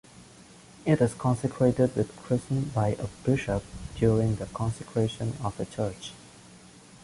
It is consecrated with chrism by a bishop during the consecration of a church.